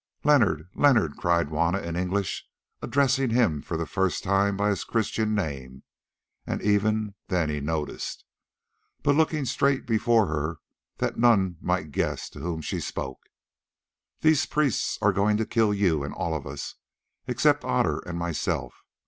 "Leonard, Leonard," cried Juanna in English, addressing him for the first time by his Christian name, as even then he noticed, but looking straight before her that none might guess to whom she spoke. "These priests are going to kill you and all of us, except Otter and myself.